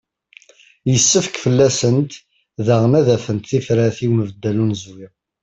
Yessefk fell-asent daɣen ad d-afent tifrat i unbeddal n unezwi.